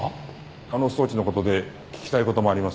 あの装置の事で聞きたい事もありますし。